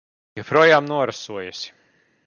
Joprojām norasojusi.